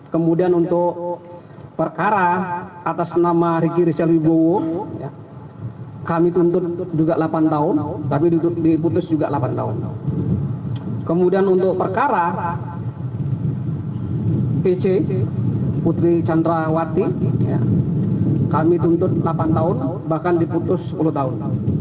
kemudian untuk perkara pc putri candrawati kami tuntut delapan tahun bahkan diputus sepuluh tahun